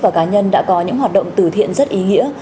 và cá nhân đã có những hoạt động từ thiện rất ý nghĩa